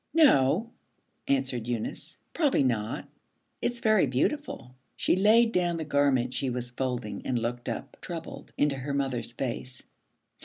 'No,' answered Eunice, 'probably not. It's very beautiful.' She laid down the garment she was folding and looked up, troubled, into her mother's face.